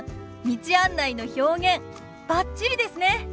道案内の表現バッチリですね！